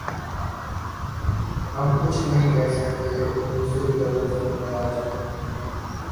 ہم کچھ نہیں کہہ سکتے دوسری طرف آج